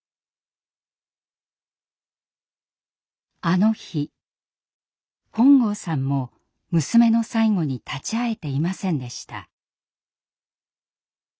あの日本郷さんも娘の最期に立ち会えていませんでした。